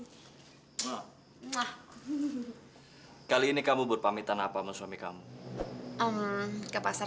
kan dia keluar sekarang kamu ngendam tempat abang commented agar dia mortal